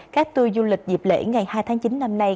các tour du lịch dịp lễ ngày hai tháng chín năm nay